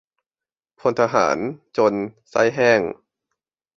พลทหาร จน ใส้แห้ง